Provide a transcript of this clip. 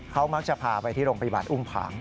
เขามักจะพาไปที่โรงพยาบาลอุ้มผาง